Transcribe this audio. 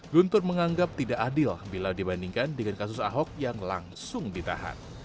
guntur menganggap tidak adil bila dibandingkan dengan kasus ahok yang langsung ditahan